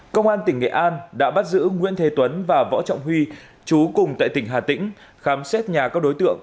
công an tp hcm đã bắt giữ nguyễn thế tuấn và võ trọng huy chú cùng tại tp hcm khám xét nhà các đối tượng